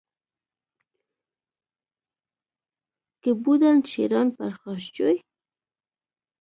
که بودند شیران پرخاشجوی